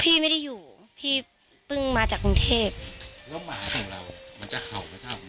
พี่ไม่ได้อยู่พี่เพิ่งมาจากกรุงเทพแล้วหมาของเรามันจะเห่าประจำ